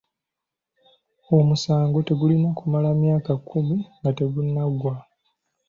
Omusango tegulina kumala myaka kkumi nga tegunaggwa.